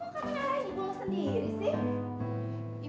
kok kamu nyarain ibu sendiri sih